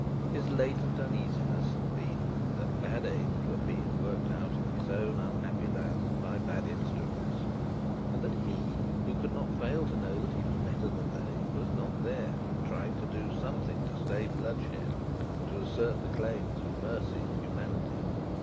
His latent uneasiness had been, that bad aims were being worked out in his own unhappy land by bad instruments, and that he who could not fail to know that he was better than they, was not there, trying to do something to stay bloodshed, and assert the claims of mercy and humanity.